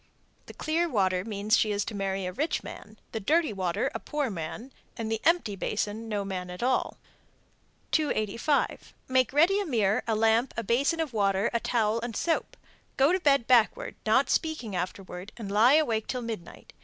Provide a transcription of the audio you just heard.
The clear water means she is to marry a rich man, the dirty water, a poor man, and the empty basin no man at all. 285. Make ready a mirror, a lamp, a basin of water, a towel and soap. Go to bed backward, not speaking afterwards, and lie awake till midnight.